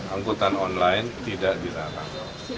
angkutan online tidak dilarang